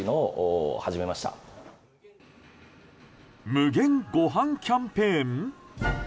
無限ごはんキャンペーン？